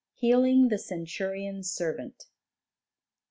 ] HEALING THE CENTURION'S SERVANT.